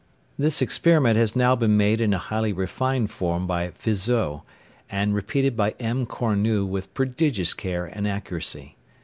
] This experiment has now been made in a highly refined form by Fizeau, and repeated by M. Cornu with prodigious care and accuracy.